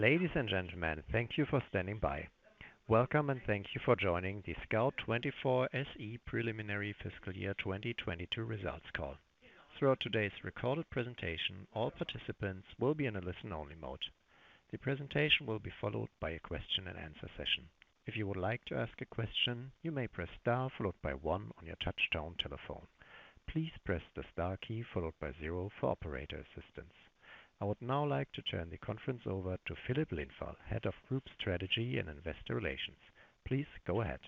Ladies and gentlemen, thank you for standing by. Welcome and thank you for joining the Scout24 SE Preliminary Fiscal Year 2022 results call. Throughout today's recorded presentation, all participants will be in a listen-only mode. The presentation will be followed by a question-and-answer session. If you would like to ask a question, you may press Star followed by One on your touch-tone telephone. Please press the Star key followed by Zero for operator assistance. I would now like to turn the conference over to Filip Lindvall, Head of Group Strategy and Investor Relations. Please go ahead.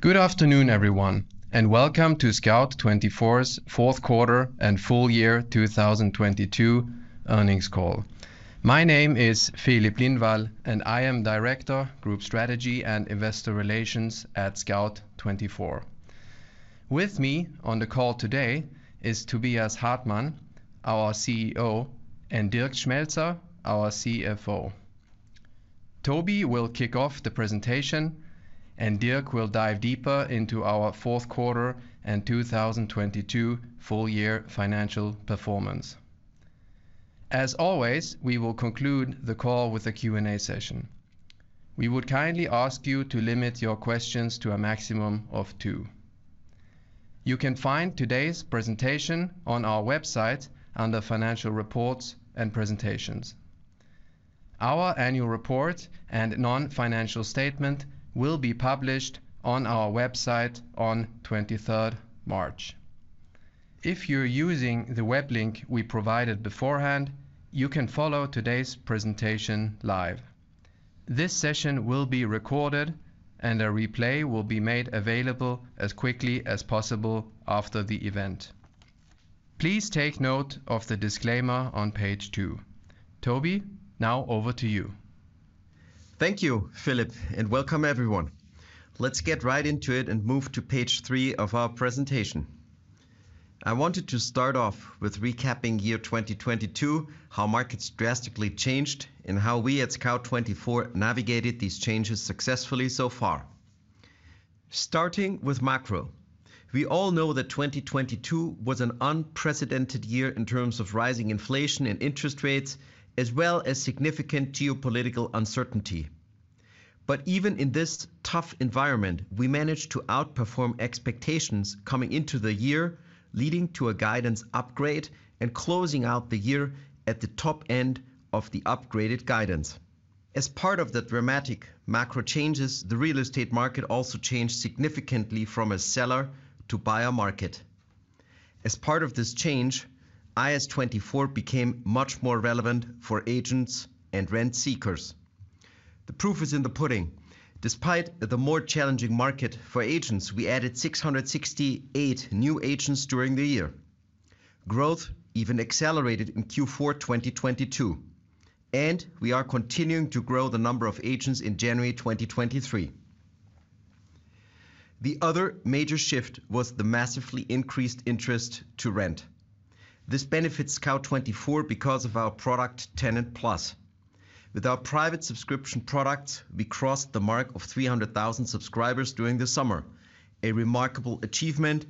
Good afternoon, everyone, welcome to Scout24's fourth quarter and full year 2022 earnings call. My name is Filip Lindvall, I am director, Group Strategy and Investor Relations at Scout24. With me on the call today is Tobias Hartmann, our CEO, and Dirk Schmelzer, our CFO. Toby will kick off the presentation, Dirk will dive deeper into our fourth quarter and 2022 full year financial performance. As always, we will conclude the call with a Q&A session. We would kindly ask you to limit your questions to a maximum of two. You can find today's presentation on our website under Financial Reports and Presentations. Our annual report and non-financial statement will be published on our website on 23rd March. If you're using the web link we provided beforehand, you can follow today's presentation live. This session will be recorded and a replay will be made available as quickly as possible after the event. Please take note of the disclaimer on page two. Toby, now over to you. Thank you, Filip, and welcome everyone. Let's get right into it and move to page 3 of our presentation. I wanted to start off with recapping year 2022, how markets drastically changed, and how we at Scout24 navigated these changes successfully so far. Starting with macro. We all know that 2022 was an unprecedented year in terms of rising inflation and interest rates, as well as significant geopolitical uncertainty. Even in this tough environment, we managed to outperform expectations coming into the year, leading to a guidance upgrade and closing out the year at the top end of the upgraded guidance. As part of the dramatic macro changes, the real estate market also changed significantly from a seller to buyer market. As part of this change, ImmoScout24 became much more relevant for agents and rent seekers. The proof is in the pudding. Despite the more challenging market for agents, we added 668 new agents during the year. Growth even accelerated in Q4 2022, and we are continuing to grow the number of agents in January 2023. The other major shift was the massively increased interest to rent. This benefits Scout24 because of our product MieterPlus. With our private subscription products, we crossed the mark of 300,000 subscribers during the summer, a remarkable achievement,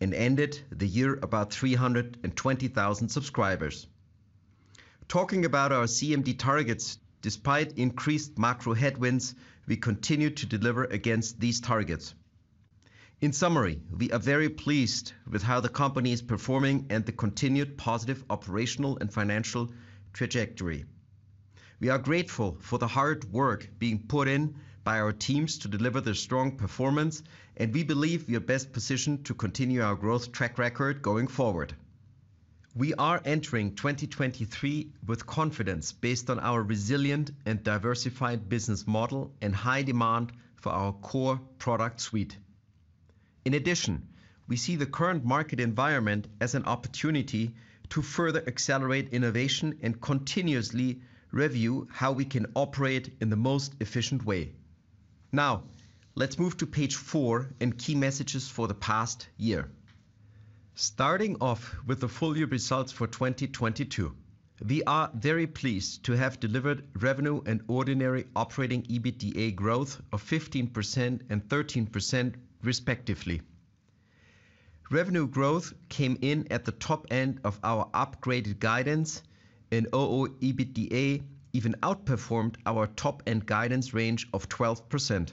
and ended the year about 320,000 subscribers. Talking about our CMD targets, despite increased macro headwinds, we continued to deliver against these targets. In summary, we are very pleased with how the company is performing and the continued positive operational and financial trajectory. We are grateful for the hard work being put in by our teams to deliver their strong performance. We believe we are best positioned to continue our growth track record going forward. We are entering 2023 with confidence based on our resilient and diversified business model and high demand for our core product suite. In addition, we see the current market environment as an opportunity to further accelerate innovation and continuously review how we can operate in the most efficient way. Now, let's move to page 4 and key messages for the past year. Starting off with the full year results for 2022. We are very pleased to have delivered revenue and Ordinary Operating EBITDA growth of 15% and 13% respectively. Revenue growth came in at the top end of our upgraded guidance. ooEBITDA even outperformed our top-end guidance range of 12%.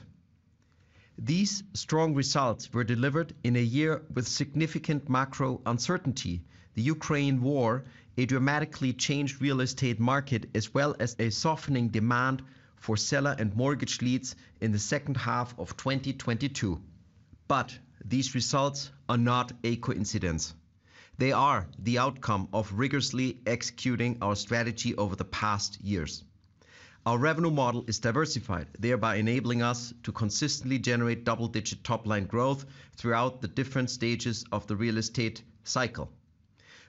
These strong results were delivered in a year with significant macro uncertainty, the Ukraine war, a dramatically changed real estate market, as well as a softening demand for seller and mortgage leads in the second half of 2022. These results are not a coincidence. They are the outcome of rigorously executing our strategy over the past years. Our revenue model is diversified, thereby enabling us to consistently generate double-digit top-line growth throughout the different stages of the real estate cycle.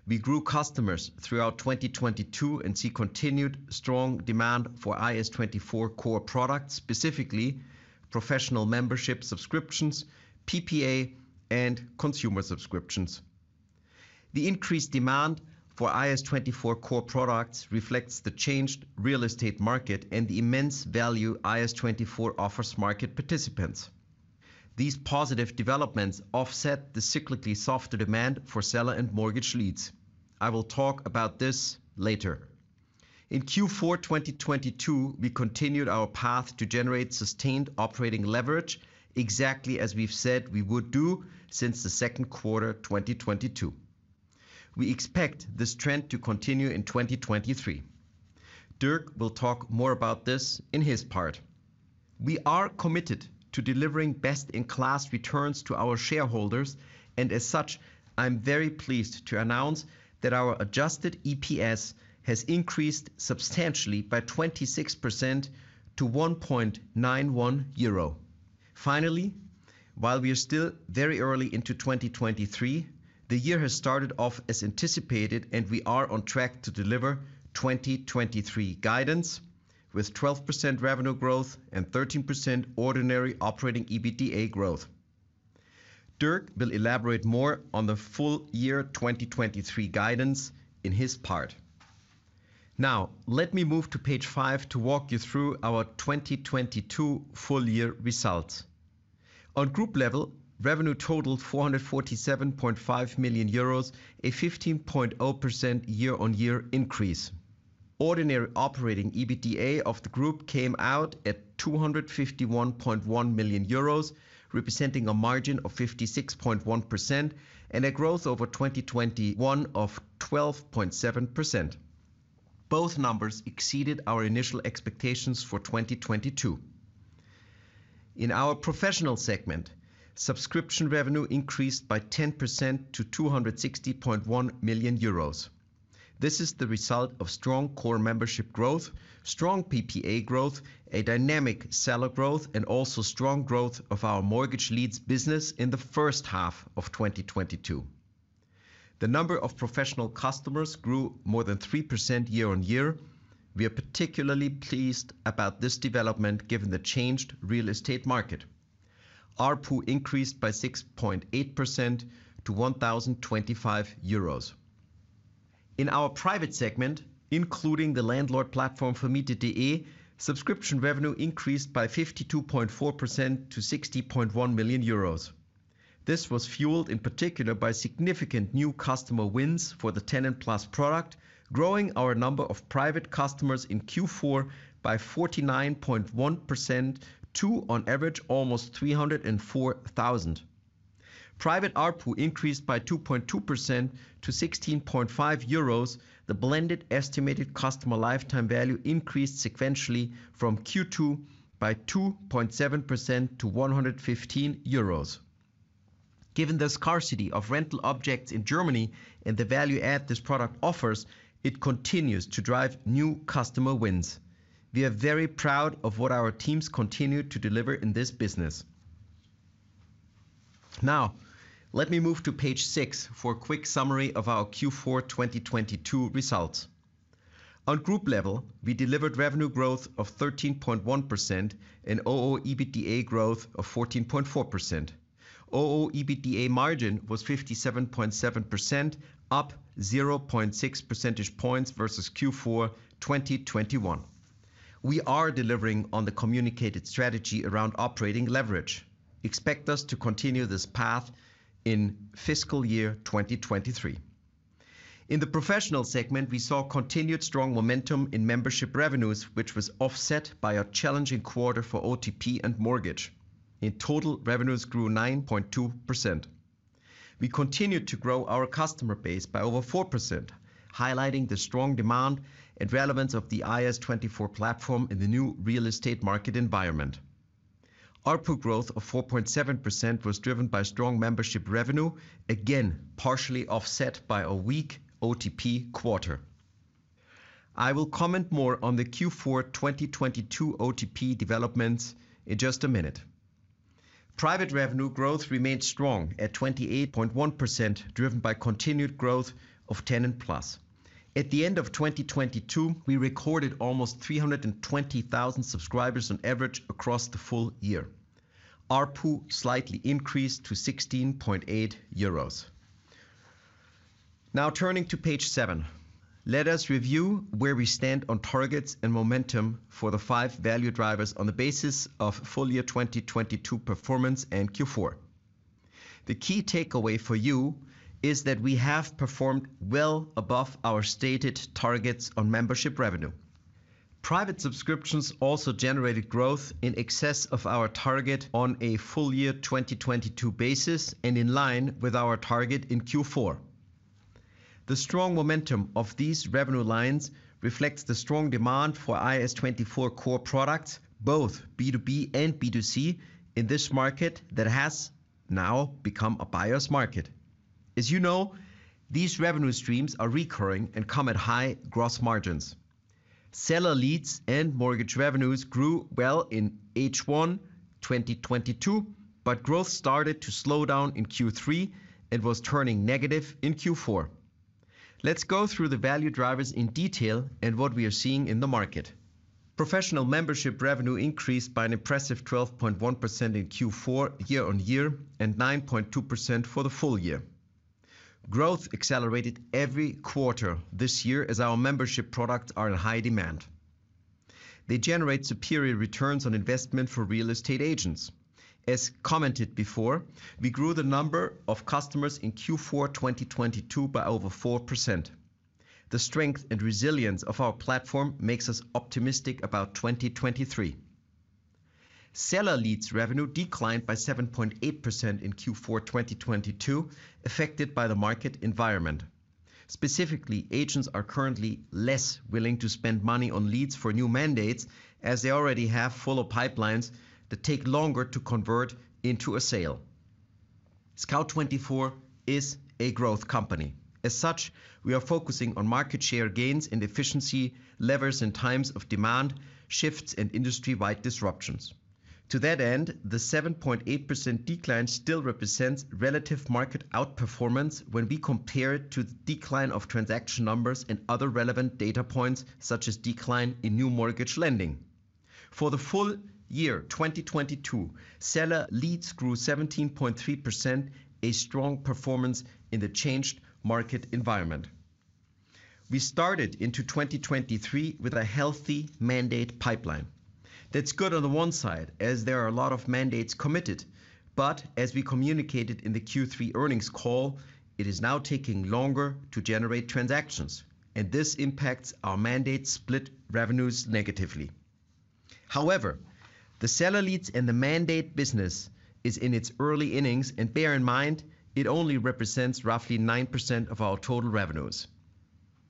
We grew customers throughout 2022 and see continued strong demand for ImmoScout24 core products, specifically professional membership subscriptions, PPA, and consumer subscriptions. The increased demand for ImmoScout24 core products reflects the changed real estate market and the immense value ImmoScout24 offers market participants. These positive developments offset the cyclically softer demand for seller and mortgage leads. I will talk about this later. In Q4 2022, we continued our path to generate sustained operating leverage, exactly as we've said we would do since the second quarter 2022. We expect this trend to continue in 2023. Dirk will talk more about this in his part. We are committed to delivering best-in-class returns to our shareholders, and as such, I'm very pleased to announce that our adjusted EPS has increased substantially by 26% to 1.91 euro. Finally, while we are still very early into 2023, the year has started off as anticipated, and we are on track to deliver 2023 guidance with 12% revenue growth and 13% ordinary operating EBITDA growth. Dirk will elaborate more on the full year 2023 guidance in his part. Now, let me move to page 5 to walk you through our 2022 full year results. On group level, revenue totaled 447.5 million euros, a 15.0% year-on-year increase. Ordinary operating EBITDA of the group came out at 251.1 million euros, representing a margin of 56.1% and a growth over 2021 of 12.7%. Both numbers exceeded our initial expectations for 2022. In our professional segment, subscription revenue increased by 10% to 260.1 million euros. This is the result of strong core membership growth, strong PPA growth, a dynamic seller growth, and also strong growth of our mortgage leads business in the first half of 2022. The number of professional customers grew more than 3% year-on-year. We are particularly pleased about this development given the changed real estate market. ARPU increased by 6.8% to 1,025 euros. In our private segment, including the landlord platform, Vermietet.de, subscription revenue increased by 52.4% to 60.1 million euros. This was fueled in particular by significant new customer wins for the MieterPlus product, growing our number of private customers in Q4 by 49.1% to, on average, almost 304,000. Private ARPU increased by 2.2% to 16.5 euros. The blended estimated customer lifetime value increased sequentially from Q2 by 2.7% to 115 euros. Given the scarcity of rental objects in Germany and the value add this product offers, it continues to drive new customer wins. We are very proud of what our teams continue to deliver in this business. Let me move to page 6 for a quick summary of our Q4, 2022 results. On group level, we delivered revenue growth of 13.1% and ooEBITDA growth of 14.4%. ooEBITDA margin was 57.7%, up 0.6 percentage points versus Q4, 2021. We are delivering on the communicated strategy around operating leverage. Expect us to continue this path in fiscal year 2023. In the professional segment, we saw continued strong momentum in membership revenues, which was offset by a challenging quarter for OTP and mortgage. In total, revenues grew 9.2%. We continued to grow our customer base by over 4%, highlighting the strong demand and relevance of the IS 24 platform in the new real estate market environment. ARPU growth of 4.7% was driven by strong membership revenue, again, partially offset by a weak OTP quarter. I will comment more on the Q4 2022 OTP developments in just a minute. Private revenue growth remained strong at 28.1%, driven by continued growth of MieterPlus. At the end of 2022, we recorded almost 320,000 subscribers on average across the full year. ARPU slightly increased to 16.8 euros. Turning to page 7, let us review where we stand on targets and momentum for the five value drivers on the basis of full year 2022 performance and Q4. The key takeaway for you is that we have performed well above our stated targets on membership revenue. Private subscriptions also generated growth in excess of our target on a full year 2022 basis and in line with our target in Q4. The strong momentum of these revenue lines reflects the strong demand for IS24 core products, both B2B and B2C, in this market that has now become a buyer's market. As you know, these revenue streams are recurring and come at high gross margins. Seller leads and mortgage revenues grew well in H1 2022, growth started to slow down in Q3 and was turning negative in Q4. Let's go through the value drivers in detail and what we are seeing in the market. Professional membership revenue increased by an impressive 12.1% in Q4 year-over-year and 9.2% for the full year. Growth accelerated every quarter this year as our membership products are in high demand. They generate superior returns on investment for real estate agents. As commented before, we grew the number of customers in Q4 2022 by over 4%. The strength and resilience of our platform makes us optimistic about 2023. Seller leads revenue declined by 7.8% in Q4 2022, affected by the market environment. Specifically, agents are currently less willing to spend money on leads for new mandates as they already have fuller pipelines that take longer to convert into a sale. Scout24 is a growth company. As such, we are focusing on market share gains and efficiency levers in times of demand shifts and industry-wide disruptions. To that end, the 7.8% decline still represents relative market outperformance when we compare it to the decline of transaction numbers and other relevant data points, such as decline in new mortgage lending. For the full year 2022, seller leads grew 17.3%, a strong performance in the changed market environment. We started into 2023 with a healthy mandate pipeline. That's good on the one side, as there are a lot of mandates committed, but as we communicated in the Q3 earnings call, it is now taking longer to generate transactions, and this impacts our mandate split revenues negatively. The seller leads and the mandate business is in its early innings, and bear in mind, it only represents roughly 9% of our total revenues.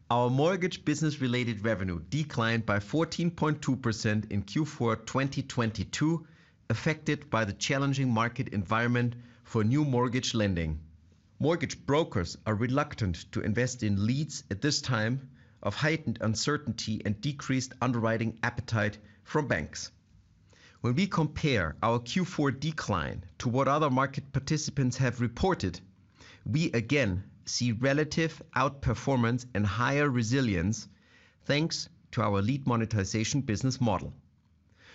Our mortgage business-related revenue declined by 14.2% in Q4 2022, affected by the challenging market environment for new mortgage lending. Mortgage brokers are reluctant to invest in leads at this time of heightened uncertainty and decreased underwriting appetite from banks. When we compare our Q4 decline to what other market participants have reported, we again see relative outperformance and higher resilience, thanks to our lead monetization business model.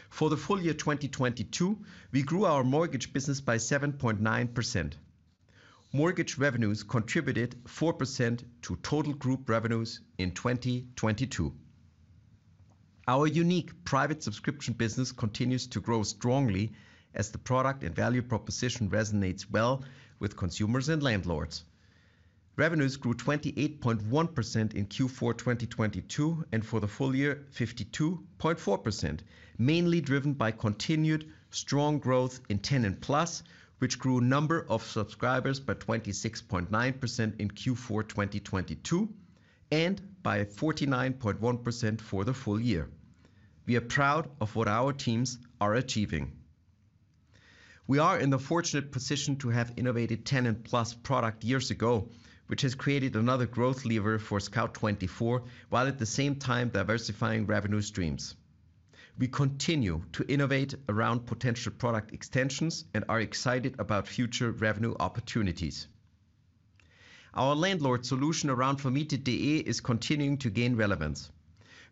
For the full year 2022, we grew our mortgage business by 7.9%. Mortgage revenues contributed 4% to total group revenues in 2022. Our unique private subscription business continues to grow strongly as the product and value proposition resonates well with consumers and landlords. Revenues grew 28.1% in Q4 2022, and for the full year, 52.4%, mainly driven by continued strong growth in MieterPlus, which grew number of subscribers by 26.9% in Q4 2022, and by 49.1% for the full year. We are proud of what our teams are achieving. We are in the fortunate position to have innovated MieterPlus product years ago, which has created another growth lever for Scout24 while at the same time diversifying revenue streams. We continue to innovate around potential product extensions and are excited about future revenue opportunities. Our landlord solution around Vermietet.de is continuing to gain relevance.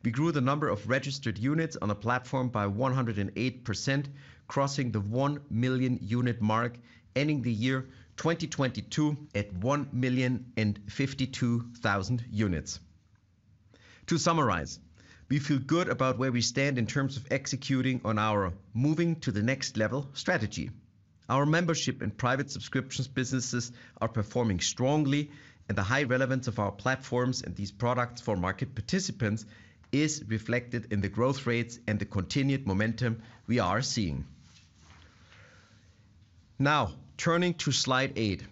We grew the number of registered units on the platform by 108%, crossing the 1 million unit mark, ending the year 2022 at 1,052,000 units. To summarize, we feel good about where we stand in terms of executing on our moving to the next level strategy. Our membership and private subscriptions businesses are performing strongly, and the high relevance of our platforms and these products for market participants is reflected in the growth rates and the continued momentum we are seeing. Turning to slide 8.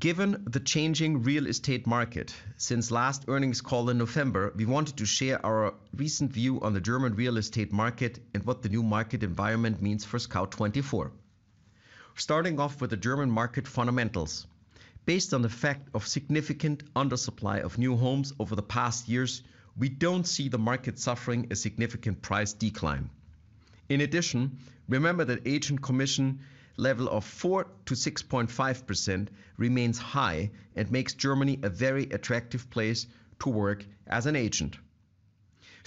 Given the changing real estate market since last earnings call in November, we wanted to share our recent view on the German real estate market and what the new market environment means for Scout24. Starting off with the German market fundamentals. Based on the fact of significant undersupply of new homes over the past years, we don't see the market suffering a significant price decline. Remember that agent commission level of 4%-6.5% remains high and makes Germany a very attractive place to work as an agent.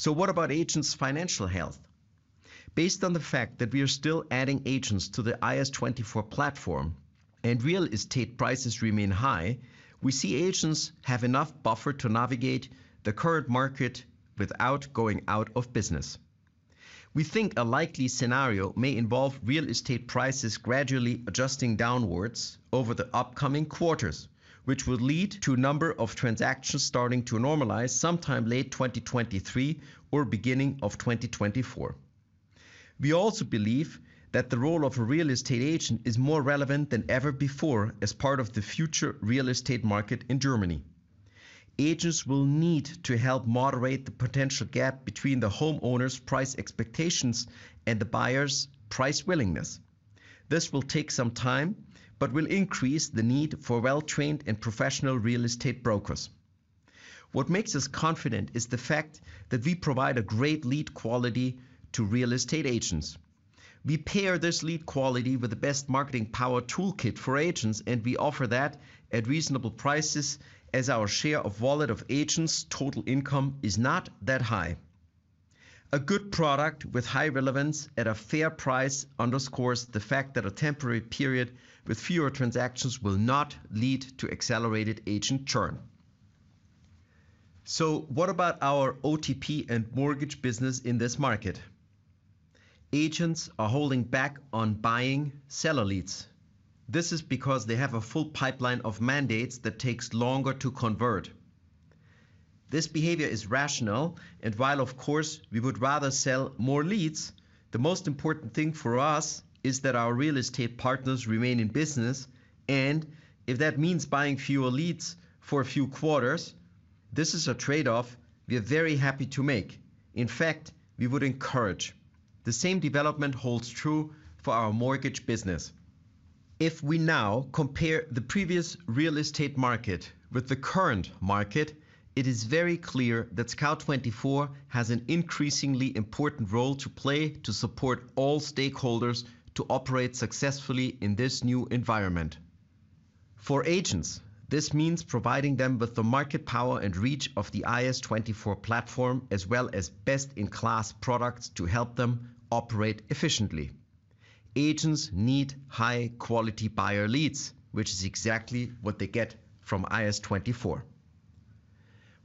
What about agents' financial health? Based on the fact that we are still adding agents to the ImmoScout24 platform and real estate prices remain high, we see agents have enough buffer to navigate the current market without going out of business. We think a likely scenario may involve real estate prices gradually adjusting downwards over the upcoming quarters, which will lead to number of transactions starting to normalize sometime late 2023 or beginning of 2024. We also believe that the role of a real estate agent is more relevant than ever before as part of the future real estate market in Germany. Agents will need to help moderate the potential gap between the homeowner's price expectations and the buyer's price willingness. This will take some time but will increase the need for well-trained and professional real estate brokers. What makes us confident is the fact that we provide a great lead quality to real estate agents. We pair this lead quality with the best marketing power toolkit for agents, and we offer that at reasonable prices as our share of wallet of agents' total income is not that high. A good product with high relevance at a fair price underscores the fact that a temporary period with fewer transactions will not lead to accelerated agent churn. What about our OTP and mortgage business in this market? Agents are holding back on buying seller leads. This is because they have a full pipeline of mandates that takes longer to convert. This behavior is rational, while of course, we would rather sell more leads, the most important thing for us is that our real estate partners remain in business, and if that means buying fewer leads for a few quarters, this is a trade-off we are very happy to make. In fact, we would encourage. The same development holds true for our mortgage business. If we now compare the previous real estate market with the current market, it is very clear that Scout24 has an increasingly important role to play to support all stakeholders to operate successfully in this new environment. For agents, this means providing them with the market power and reach of the ImmoScout24 platform, as well as best-in-class products to help them operate efficiently. Agents need high-quality buyer leads, which is exactly what they get from ImmoScout24.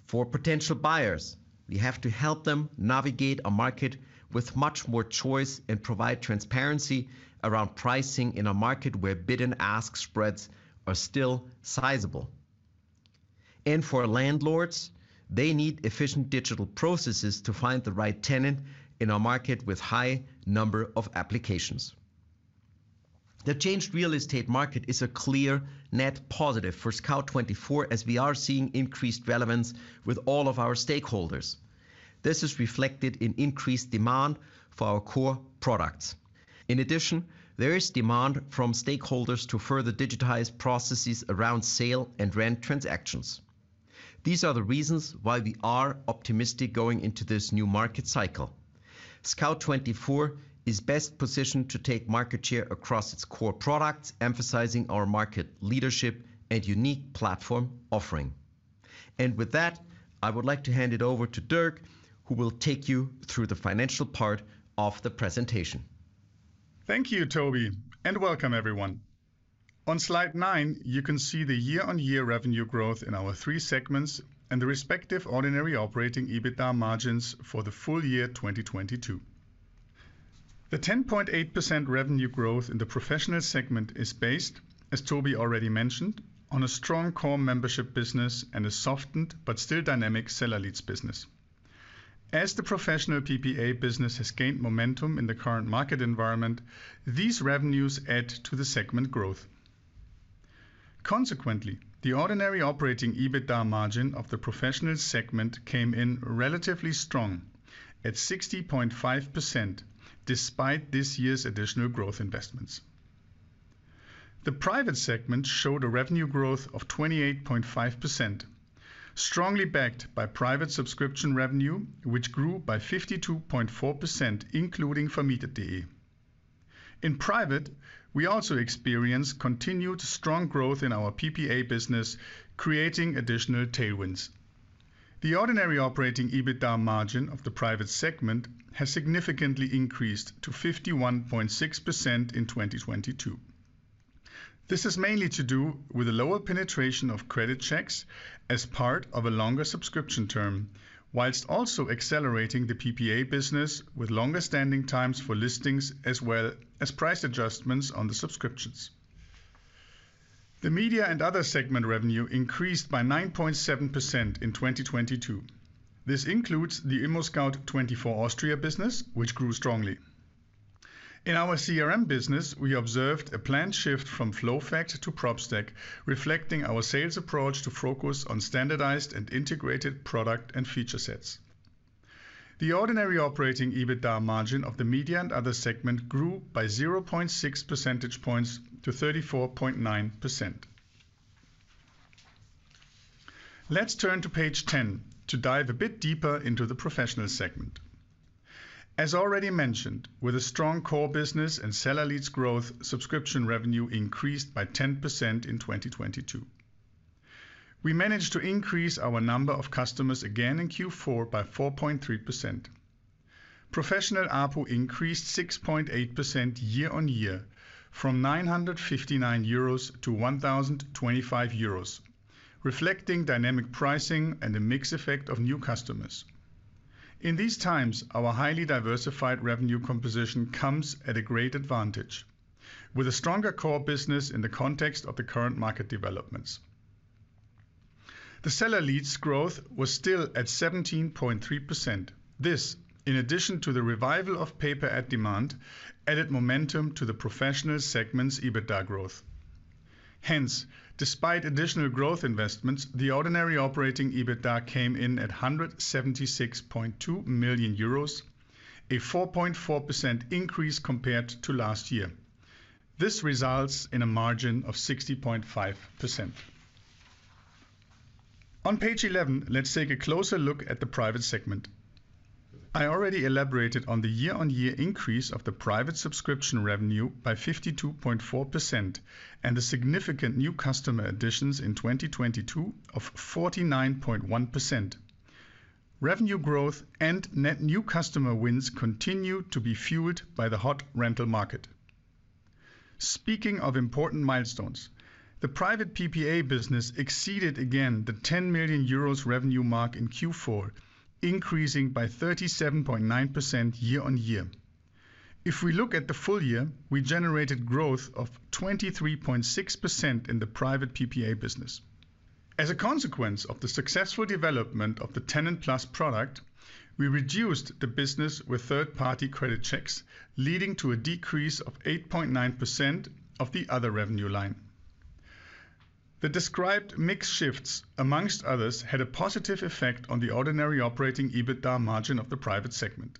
For potential buyers, we have to help them navigate a market with much more choice and provide transparency around pricing in a market where bid and ask spreads are still sizable. For landlords, they need efficient digital processes to find the right tenant in a market with high number of applications. The changed real estate market is a clear net positive for Scout24 as we are seeing increased relevance with all of our stakeholders. This is reflected in increased demand for our core products. In addition, there is demand from stakeholders to further digitize processes around sale and rent transactions. These are the reasons why we are optimistic going into this new market cycle. Scout24 is best positioned to take market share across its core products, emphasizing our market leadership and unique platform offering. With that, I would like to hand it over to Dirk, who will take you through the financial part of the presentation. Thank you, Tobi, and welcome everyone. On slide 9, you can see the year-on-year revenue growth in our three segments and the respective ordinary operating EBITDA margins for the full year 2022. The 10.8% revenue growth in the professional segment is based, as Tobi already mentioned, on a strong core membership business and a softened but still dynamic seller leads business. As the professional PPA business has gained momentum in the current market environment, these revenues add to the segment growth. Consequently, the ordinary operating EBITDA margin of the professional segment came in relatively strong at 60.5% despite this year's additional growth investments. The private segment showed a revenue growth of 28.5%, strongly backed by private subscription revenue, which grew by 52.4%, including Vermietet.de. In private, we also experienced continued strong growth in our PPA business, creating additional tailwinds. The ordinary operating EBITDA margin of the private segment has significantly increased to 51.6% in 2022. This is mainly to do with the lower penetration of credit checks as part of a longer subscription term, whilst also accelerating the PPA business with longer standing times for listings as well as price adjustments on the subscriptions. The media and other segment revenue increased by 9.7% in 2022. This includes the ImmoScout24 Austria business, which grew strongly. In our CRM business, we observed a planned shift from FLOWFACT to Propstack, reflecting our sales approach to focus on standardized and integrated product and feature sets. The ordinary operating EBITDA margin of the media and other segment grew by 0.6 percentage points to 34.9%. Let's turn to page 10 to dive a bit deeper into the professional segment. As already mentioned, with a strong core business and seller leads growth, subscription revenue increased by 10% in 2022. We managed to increase our number of customers again in Q4 by 4.3%. Professional ARPU increased 6.8% year-over-year from 959-1,025 euros, reflecting dynamic pricing and a mix effect of new customers. In these times, our highly diversified revenue composition comes at a great advantage with a stronger core business in the context of the current market developments. The seller leads growth was still at 17.3%. This, in addition to the revival of pay per at demand, added momentum to the professional segment's EBITDA growth. Despite additional growth investments, the ordinary operating EBITDA came in at 176.2 million euros, a 4.4% increase compared to last year. This results in a margin of 60.5%. On page 11, let's take a closer look at the private segment. I already elaborated on the year-over-year increase of the private subscription revenue by 52.4% and the significant new customer additions in 2022 of 49.1%. Revenue growth and net new customer wins continue to be fueled by the hot rental market. Speaking of important milestones, the private PPA business exceeded again the 10 million euros revenue mark in Q4, increasing by 37.9% year-over-year. If we look at the full year, we generated growth of 23.6% in the private PPA business. As a consequence of the successful development of the MieterPlus product, we reduced the business with third-party credit checks, leading to a decrease of 8.9% of the other revenue line. The described mix shifts, among others, had a positive effect on the ordinary operating EBITDA margin of the private segment.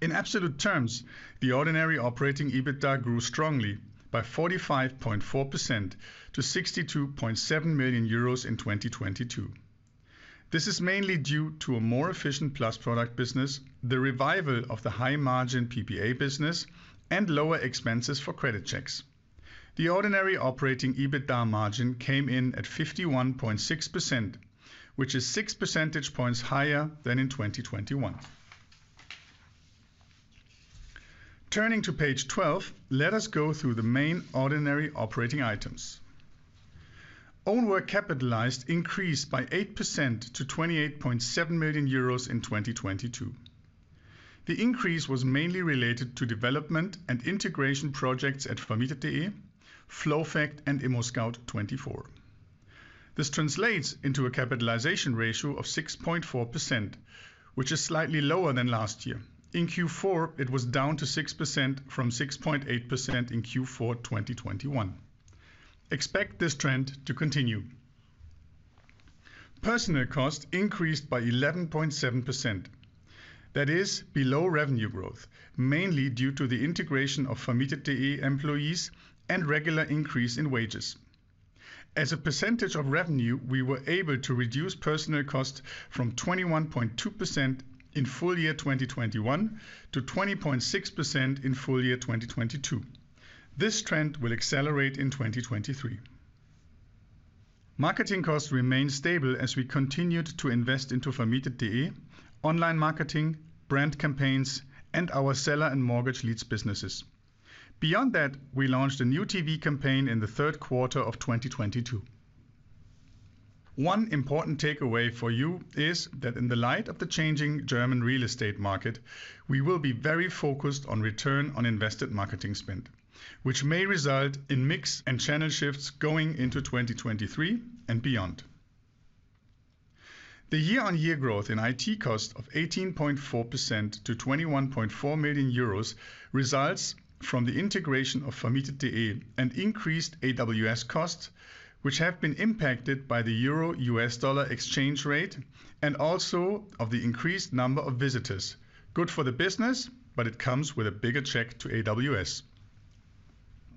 In absolute terms, the ordinary operating EBITDA grew strongly by 45.4% to 62.7 million euros in 2022. This is mainly due to a more efficient Plus product business, the revival of the high margin PPA business, and lower expenses for credit checks. The ordinary operating EBITDA margin came in at 51.6%, which is 6 percentage points higher than in 2021. Turning to page 12, let us go through the main ordinary operating items. Own work capitalized increased by 8% to 28.7 million euros in 2022. The increase was mainly related to development and integration projects at Vermietet.de, FLOWFACT and ImmoScout24. This translates into a capitalization ratio of 6.4%, which is slightly lower than last year. In Q4, it was down to 6% from 6.8% in Q4 2021. Expect this trend to continue. Personnel costs increased by 11.7%. That is below revenue growth, mainly due to the integration of Vermietet.de employees and regular increase in wages. As a percentage of revenue, we were able to reduce personnel costs from 21.2% in full year 2021 to 20.6% in full year 2022. This trend will accelerate in 2023. Marketing costs remain stable as we continued to invest into Vermietet.de, online marketing, brand campaigns, and our seller and mortgage leads businesses. We launched a new TV campaign in the third quarter of 2022. One important takeaway for you is that in the light of the changing German real estate market, we will be very focused on return on invested marketing spend, which may result in mix and channel shifts going into 2023 and beyond. The year-over-year growth in IT cost of 18.4% to 21.4 million euros results from the integration of Vermietet.de and increased AWS costs, which have been impacted by the euro-US dollar exchange rate and also of the increased number of visitors. It comes with a bigger check to AWS.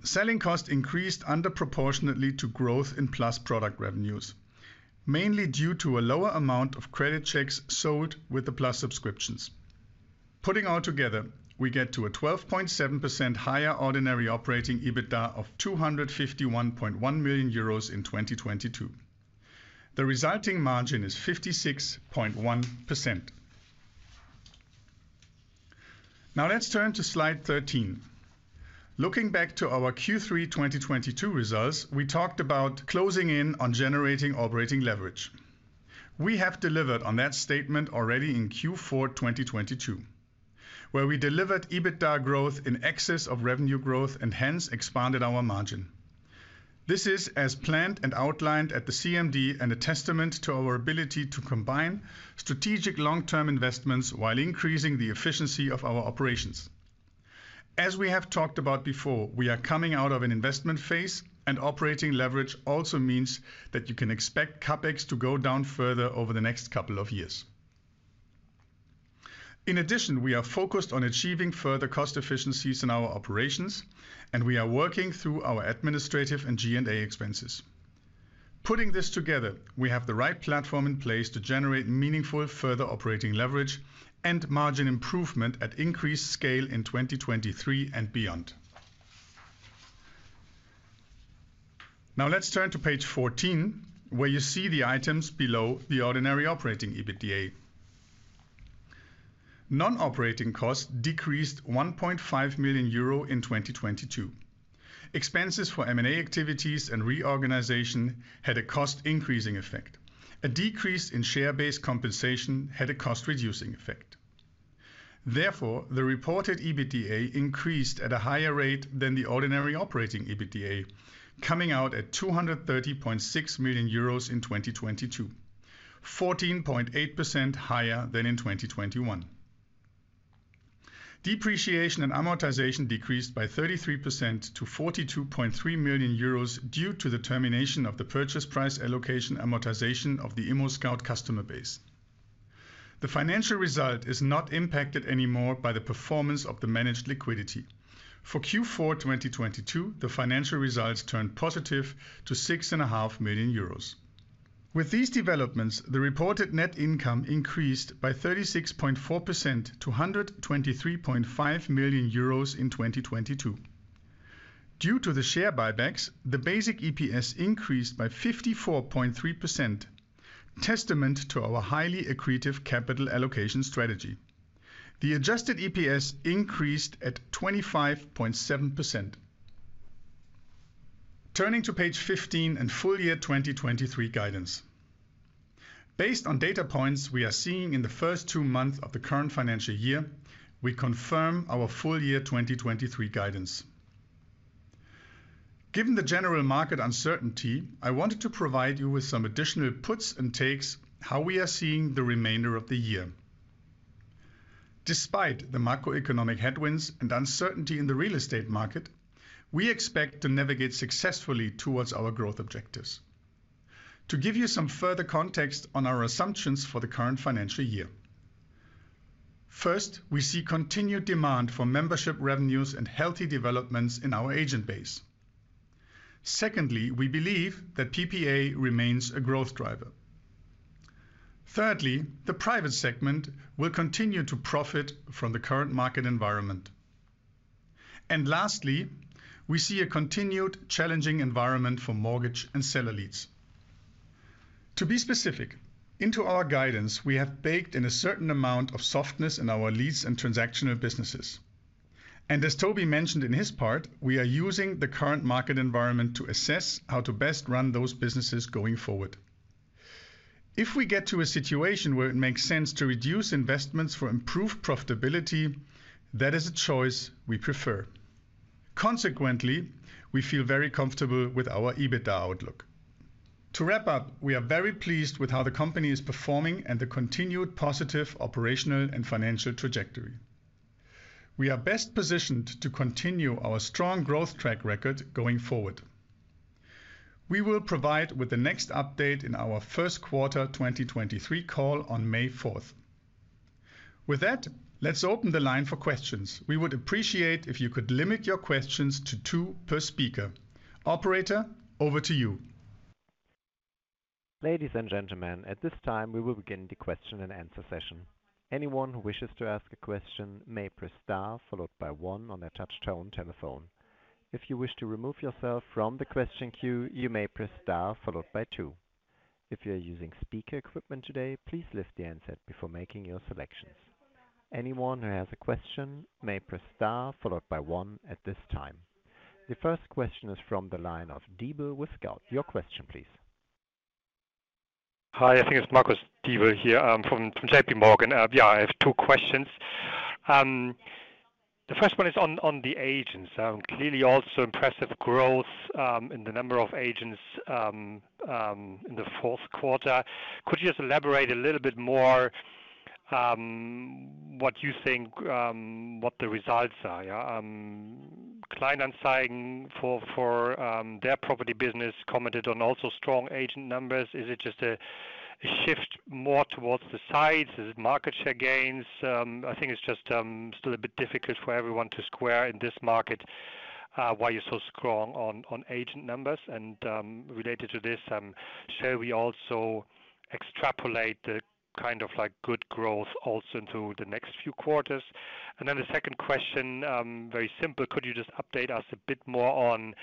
Selling cost increased under proportionately to growth in Plus product revenues, mainly due to a lower amount of credit checks sold with the Plus subscriptions. Putting all together, we get to a 12.7% higher ordinary operating EBITDA of 251.1 million euros in 2022. The resulting margin is 56.1%. Let's turn to slide 13. Looking back to our Q3 2022 results, we talked about closing in on generating operating leverage. We have delivered on that statement already in Q4 2022, where we delivered EBITDA growth in excess of revenue growth and hence expanded our margin. This is as planned and outlined at the CMD and a testament to our ability to combine strategic long-term investments while increasing the efficiency of our operations. As we have talked about before, we are coming out of an investment phase, and operating leverage also means that you can expect CapEx to go down further over the next couple of years. In addition, we are focused on achieving further cost efficiencies in our operations, and we are working through our administrative and G&A expenses. Putting this together, we have the right platform in place to generate meaningful further operating leverage and margin improvement at increased scale in 2023 and beyond. Now let's turn to page 14, where you see the items below the ordinary operating EBITDA. Non-operating costs decreased 1.5 million euro in 2022. Expenses for M&A activities and reorganization had a cost increasing effect. A decrease in share-based compensation had a cost reducing effect. The reported EBITDA increased at a higher rate than the ordinary operating EBITDA, coming out at 230.6 million euros in 2022, 14.8% higher than in 2021. Depreciation and amortization decreased by 33% to 42.3 million euros due to the termination of the purchase price allocation amortization of the ImmoScout customer base. The financial result is not impacted anymore by the performance of the managed liquidity. For Q4, 2022, the financial results turned positive to 6.5 million euros. With these developments, the reported net income increased by 36.4% to 123.5 million euros in 2022. Due to the share buybacks, the basic EPS increased by 54.3%, testament to our highly accretive capital allocation strategy. The adjusted EPS increased at 25.7%. Turning to page 15 and full year 2023 guidance. Based on data points we are seeing in the first two months of the current financial year, we confirm our full year 2023 guidance. Given the general market uncertainty, I wanted to provide you with some additional puts and takes how we are seeing the remainder of the year. Despite the macroeconomic headwinds and uncertainty in the real estate market, we expect to navigate successfully towards our growth objectives. To give you some further context on our assumptions for the current financial year. First, we see continued demand for membership revenues and healthy developments in our agent base. Secondly, we believe that PPA remains a growth driver. Thirdly, the private segment will continue to profit from the current market environment. Lastly, we see a continued challenging environment for mortgage and seller leads. To be specific, into our guidance, we have baked in a certain amount of softness in our leads and transactional businesses. As Toby mentioned in his part, we are using the current market environment to assess how to best run those businesses going forward. If we get to a situation where it makes sense to reduce investments for improved profitability, that is a choice we prefer. Consequently, we feel very comfortable with our EBITDA outlook. To wrap up, we are very pleased with how the company is performing and the continued positive operational and financial trajectory. We are best positioned to continue our strong growth track record going forward. We will provide with the next update in our first quarter 2023 call on May fourth. With that, let's open the line for questions. We would appreciate if you could limit your questions to two per speaker. Operator, over to you. Ladies and gentlemen, at this time, we will begin the question and answer session. Anyone who wishes to ask a question may press star followed by one on their touch tone telephone. If you wish to remove yourself from the question queue, you may press star followed by two. If you're using speaker equipment today, please lift the handset before making your selections. Anyone who has a question may press star followed by one at this time. The first question is from the line of Diebel with J.P. Morgan. Your question please. Hi, I think it's Marcus Diebel here, from JPMorgan. Yeah, I have two questions. The first one is on the agents. Clearly also impressive growth in the number of agents in the fourth quarter. Could you just elaborate a little bit more what you think what the results are? Client insight for their property business commented on also strong agent numbers. Is it just a shift more towards the size? Is it market share gains? I think it's just still a bit difficult for everyone to square in this market why you're so strong on agent numbers. Related to this, shall we also extrapolate the kind of like good growth also into the next few quarters? The second question, very simple. Could you just update us a bit more on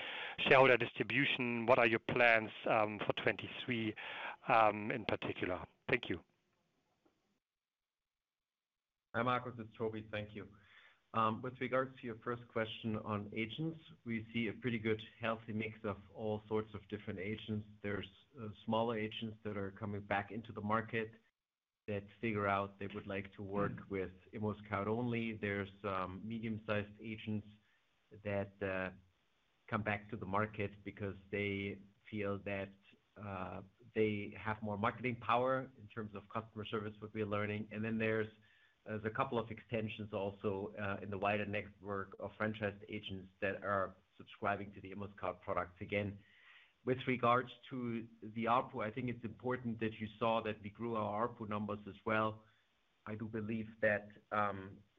shareholder distribution? What are your plans for 23 in particular? Thank you. Hi, Marcus. It's Toby. Thank you. With regards to your first question on agents, we see a pretty good, healthy mix of all sorts of different agents. There's smaller agents that are coming back into the market that figure out they would like to work with ImmoScout only. There's medium-sized agents that come back to the market because they feel that they have more marketing power in terms of customer service, what we're learning. Then there's a couple of extensions also in the wider network of franchise agents that are subscribing to the ImmoScout products again. With regards to the ARPU, I think it's important that you saw that we grew our ARPU numbers as well. I do believe that,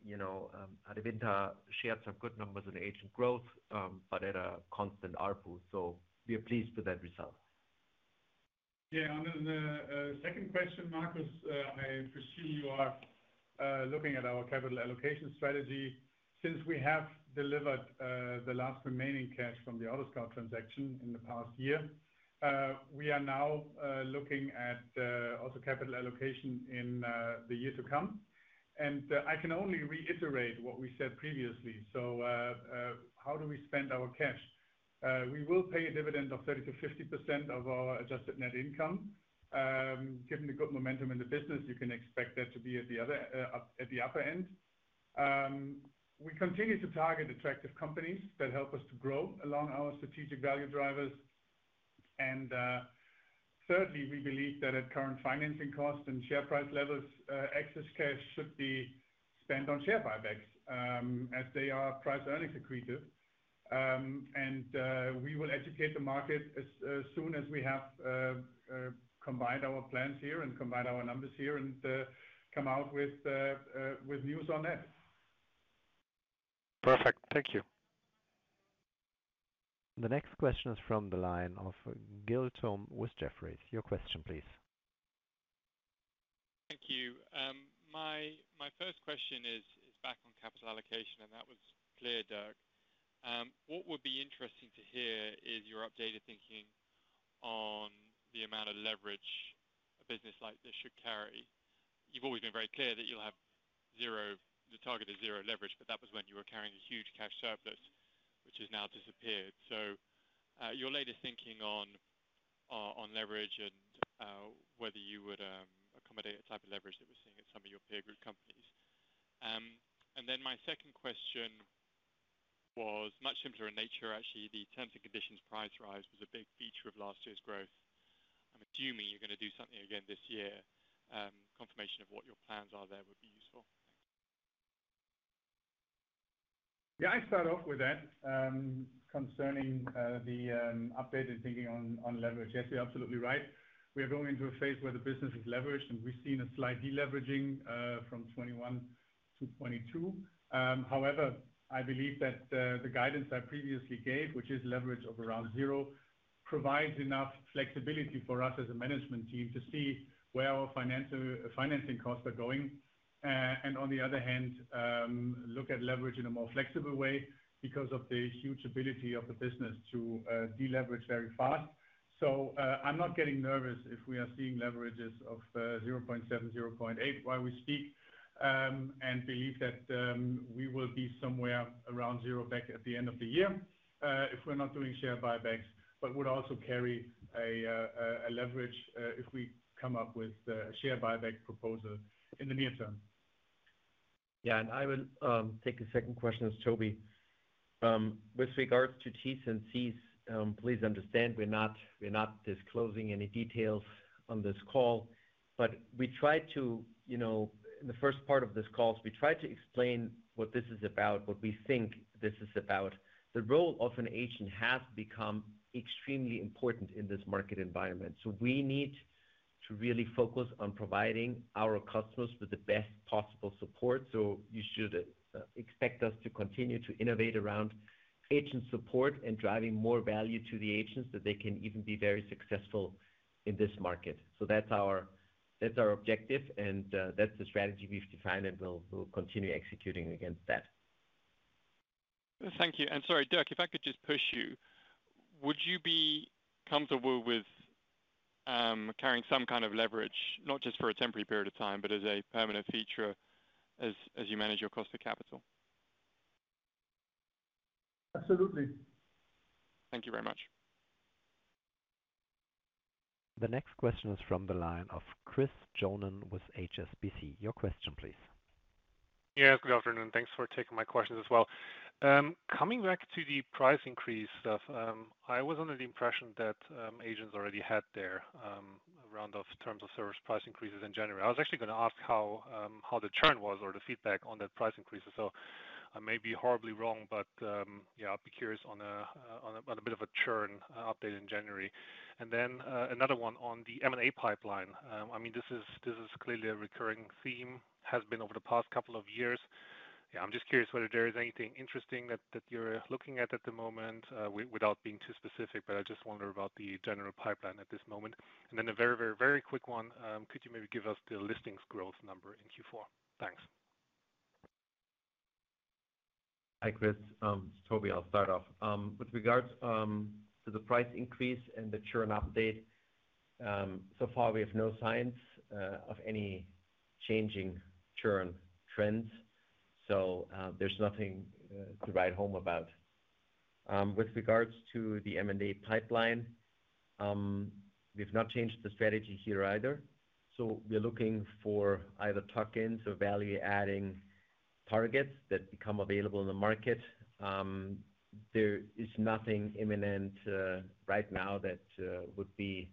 you know, Adevinta shared some good numbers on agent growth, but at a constant ARPU. We are pleased with that result. Yeah. On the second question, Marcus, I presume you are looking at our capital allocation strategy. Since we have delivered the last remaining cash from the AutoScout24 transaction in the past year, we are now looking at also capital allocation in the year to come. I can only reiterate what we said previously. How do we spend our cash? We will pay a dividend of 30%-50% of our adjusted net income. Given the good momentum in the business, you can expect that to be at the upper end. We continue to target attractive companies that help us to grow along our strategic value drivers. Thirdly, we believe that at current financing costs and share price levels, excess cash should be spent on share buybacks, as they are price-earnings accretive. We will educate the market as soon as we have combined our plans here and combined our numbers here and come out with news on that. Perfect. Thank you. The next question is from the line of Giles Thorne with Jefferies. Your question please. My first question is back on capital allocation. That was clear, Dirk. What would be interesting to hear is your updated thinking on the amount of leverage a business like this should carry. You've always been very clear that the target is zero leverage, but that was when you were carrying a huge cash surplus, which has now disappeared. Your latest thinking on leverage and whether you would accommodate a type of leverage that we're seeing at some of your peer group companies. My second question was much simpler in nature. Actually, the terms and conditions price rise was a big feature of last year's growth. I'm assuming you're gonna do something again this year. Confirmation of what your plans are there would be useful. I start off with that. Concerning the updated thinking on leverage. You're absolutely right. We are going into a phase where the business is leveraged, and we've seen a slight de-leveraging from 2021 to 2022. However, I believe that the guidance I previously gave, which is leverage of around 0, provides enough flexibility for us as a management team to see where our financing costs are going. On the other hand, look at leverage in a more flexible way because of the huge ability of the business to de-leverage very fast. I'm not getting nervous if we are seeing leverages of 0.7, 0.8 while we speak, and believe that we will be somewhere around 0 back at the end of the year, if we're not doing share buybacks. Would also carry a leverage if we come up with a share buyback proposal in the near term. Yeah. I will take the second question as Toby. With regards to T's and C's, please understand we're not disclosing any details on this call. We try to, you know, in the first part of this call, we try to explain what this is about, what we think this is about. The role of an agent has become extremely important in this market environment. We need to really focus on providing our customers with the best possible support. You should expect us to continue to innovate around agent support and driving more value to the agents that they can even be very successful in this market. That's our, that's our objective and that's the strategy we've defined and we'll continue executing against that. Thank you. Sorry, Dirk, if I could just push you. Would you be comfortable with carrying some kind of leverage, not just for a temporary period of time, but as a permanent feature as you manage your cost of capital? Absolutely. Thank you very much. The next question is from the line of Christoph-M. Johann with HSBC. Your question please. Good afternoon. Thanks for taking my questions as well. Coming back to the price increase stuff. I was under the impression that agents already had their round of terms of service price increases in January. I was actually gonna ask how how the churn was or the feedback on the price increases. I may be horribly wrong, but I'd be curious on a, on a, on a bit of a churn update in January. Then another one on the M&A pipeline. I mean, this is, this is clearly a recurring theme, has been over the past couple of years. I'm just curious whether there is anything interesting that you're looking at at the moment, without being too specific, but I just wonder about the general pipeline at this moment. A very, very, very quick one. Could you maybe give us the listings growth number in Q4? Thanks. Hi, Chris. Toby, I'll start off. With regards to the price increase and the churn update. So far we have no signs of any changing churn trends, so there's nothing to write home about. With regards to the M&A pipeline, we've not changed the strategy here either. We're looking for either tuck-ins or value-adding targets that become available in the market. There is nothing imminent right now that would be,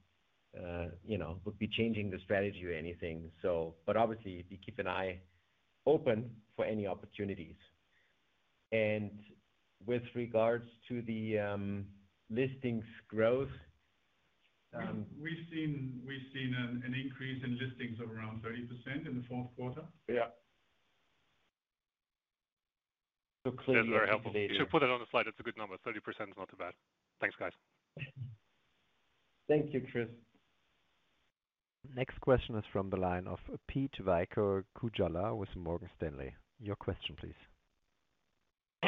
you know, changing the strategy or anything. But obviously we keep an eye open for any opportunities. With regards to the listings growth. We've seen an increase in listings of around 30% in the fourth quarter. Yeah. So clearly- That's very helpful. You should put it on the slide. It's a good number. 30% is not too bad. Thanks, guys. Thank you, Chris. Next question is from the line of Petri Kujala with Morgan Stanley. Your question please.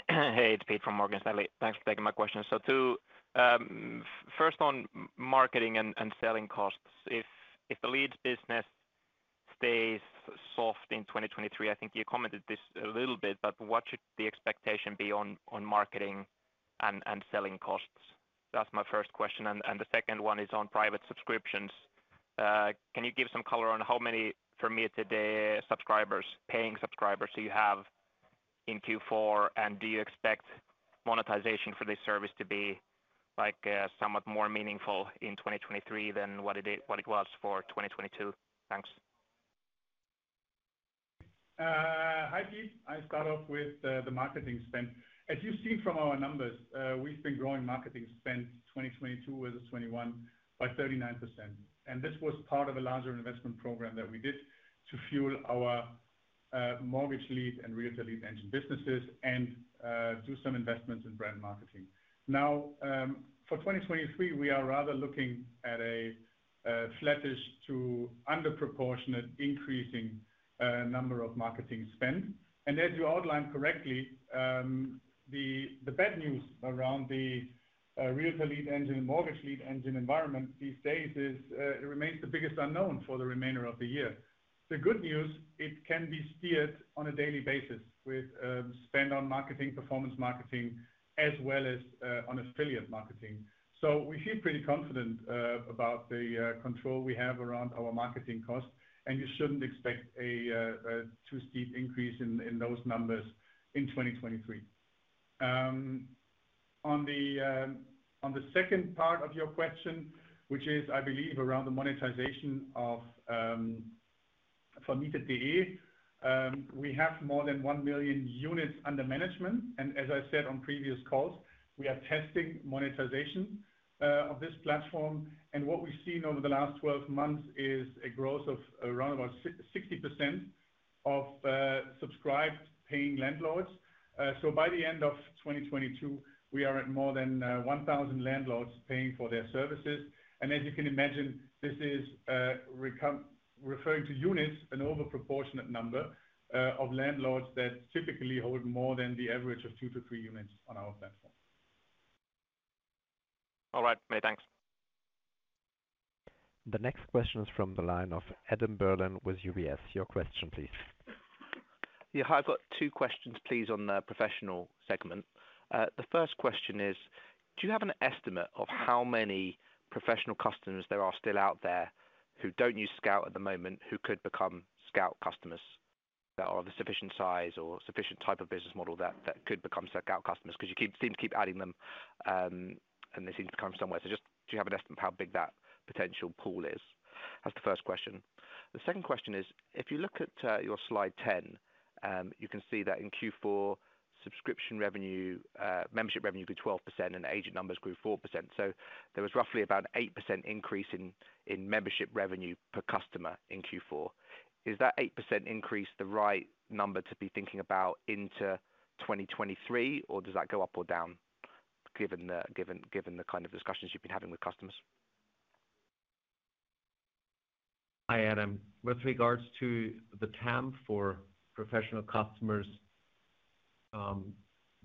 Hey, it's Pete from Morgan Stanley. Thanks for taking my question. First on marketing and selling costs. If the leads business stays soft in 2023, I think you commented this a little bit, but what should the expectation be on marketing and selling costs? That's my first question. The second one is on private subscriptions. Can you give some color on how many MieterPlus subscribers, paying subscribers do you have in Q4? Do you expect monetization for this service to be like somewhat more meaningful in 2023 than what it was for 2022? Thanks. Hi, Pete. I start off with the marketing spend. As you've seen from our numbers, we've been growing marketing spend 2022 versus 2021 by 39%. This was part of a larger investment program that we did to fuel our mortgage lead and realtor lead engine businesses and do some investments in brand marketing. Now, for 2023, we are rather looking at a flattish to under proportionate increasing number of marketing spend. As you outlined correctly, the bad news around the realtor lead engine and mortgage lead engine environment these days is it remains the biggest unknown for the remainder of the year. The good news, it can be steered on a daily basis with spend on marketing, performance marketing as well as on affiliate marketing. We feel pretty confident about the control we have around our marketing costs, and you shouldn't expect a too steep increase in those numbers in 2023. On the second part of your question, which is, I believe, around the monetization for MieterPlus, we have more than 1 million units under management. As I said on previous calls, we are testing monetization of this platform. What we've seen over the last 12 months is a growth of around about 60% of subscribed paying landlords. By the end of 2022, we are at more than 1,000 landlords paying for their services. As you can imagine, this is referring to units, an over proportionate number, of landlords that typically hold more than the average of two to three units on our platform. All right. Many thanks. The next question is from the line of Adam Berlin with UBS. Your question please. Hi, I've got two questions, please, on the professional segment. The first question is, do you have an estimate of how many professional customers there are still out there who don't use Scout at the moment, who could become Scout customers that are of a sufficient size or sufficient type of business model that could become Scout customers? Cause you seem to keep adding them, and they seem to come from somewhere. Just do you have an estimate of how big that potential pool is? That's the first question. The second question is, if you look at your slide 10, you can see that in Q4 subscription revenue, membership revenue grew 12% and agent numbers grew 4%. There was roughly about 8% increase in membership revenue per customer in Q4. Is that 8% increase the right number to be thinking about into 2023, or does that go up or down given the kind of discussions you've been having with customers? Hi, Adam. With regards to the TAM for professional customers,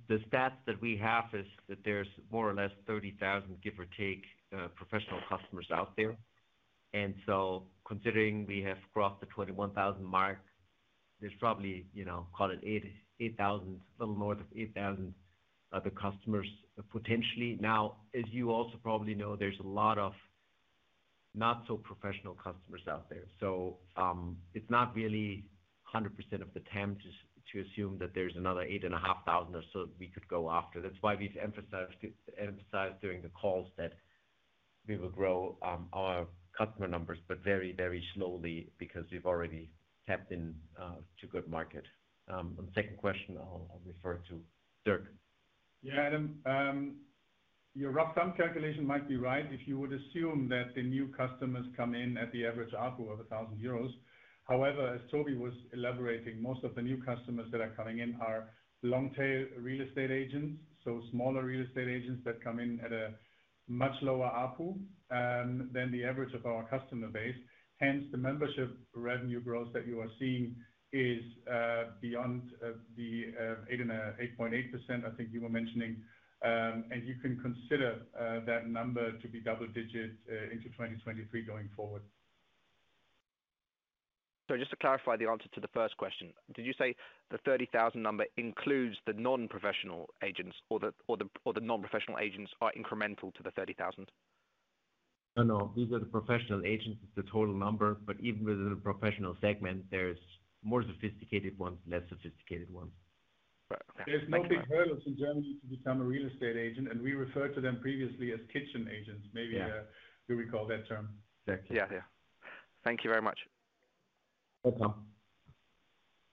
the stats that we have is that there's more or less 30,000, give or take, professional customers out there. Considering we have crossed the 21,000 mark, there's probably, you know, call it 8,000, a little more than 8,000 other customers potentially. As you also probably know, there's a lot of not so professional customers out there. It's not really 100% of the TAM to assume that there's another 8,500 or so we could go after. That's why we've emphasized during the calls that we will grow, our customer numbers, but very, very slowly because we've already tapped in to good market. On the second question, I'll refer to Dirk. Yeah, Adam. Your rough thumb calculation might be right if you would assume that the new customers come in at the average ARPU of 1,000 euros. As Toby was elaborating, most of the new customers that are coming in are long tail real estate agents, so smaller real estate agents that come in at a much lower ARPU than the average of our customer base. The membership revenue growth that you are seeing is beyond the 8.8% I think you were mentioning. You can consider that number to be double digit into 2023 going forward. Just to clarify the answer to the first question, did you say the 30,000 number includes the non-professional agents or the non-professional agents are incremental to the 30,000? No, no. These are the professional agents, the total number. Even within the professional segment, there's more sophisticated ones, less sophisticated ones. Right. Thanks so much. There's no big hurdles in Germany to become a real estate agent, and we referred to them previously as kitchen agents. Yeah. Maybe, you recall that term. Exactly. Yeah. Yeah. Thank you very much. Welcome.